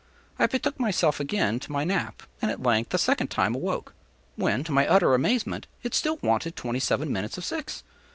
I betook myself again to my nap, and at length a second time awoke, when, to my utter amazement, it still wanted twenty seven minutes of six.